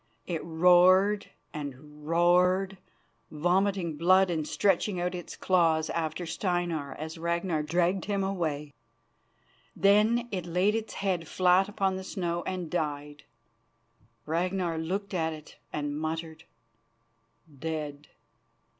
It roared and roared, vomiting blood and stretching out its claws after Steinar as Ragnar dragged him away. Then it laid its head flat upon the snow and died. Ragnar looked at it and muttered: "Dead!"